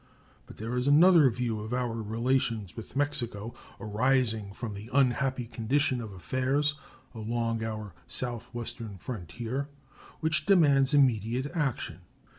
But there is another view of our relations with Mexico, arising from the unhappy condition of affairs along our southwestern frontier, which demands immediate action.